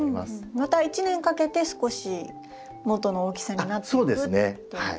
また１年かけて少し元の大きさになっていくっていう。